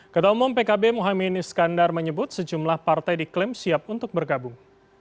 ketua umum pkb mohamad iskandar menyebut sejumlah partai diklaim siap untuk bergabung